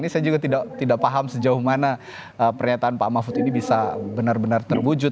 saya juga tidak paham sejauh mana pernyataan pak mahfud ini bisa benar benar terwujud